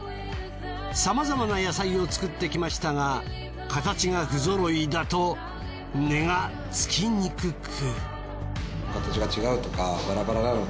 さまざまな野菜を作ってきましたが形が不ぞろいだと値がつきにくく。